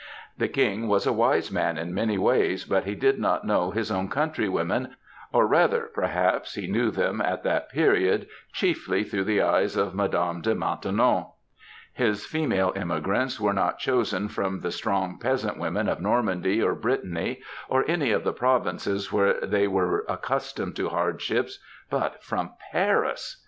The King was a wise man in many ways, but he did not know his own countrywomen, or rather, perhaps, he knew them at that period chiefly through the eyes of Mme. de Maintenon. His female emigrants were not chosen from the strong peasant women of Normandy or Brittany, or any of the provinces where they were accustomed to hardships, but from Paris.